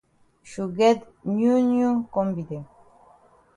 Shu get new new kombi dem.